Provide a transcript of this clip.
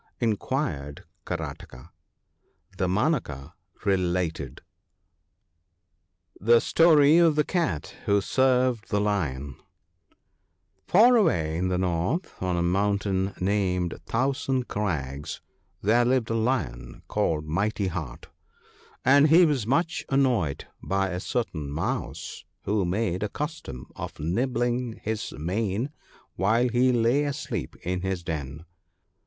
inquired Karataka. Damanaka related :— (ittje £tot{t of tlje Cat toga $tt\xt\x tlje IDon >AR away in the North ( J7 ), on a mountain named " Thousand Crags," there lived a lion called " Mighty heart ;" and he was much anhoyed by a certain mouse, who made a custom of nibbling his mane while he lay asleep in his den.